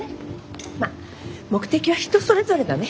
まあ目的は人それぞれだね。